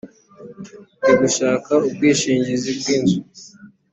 Ndi Gushaka ubwishingizi bw inzu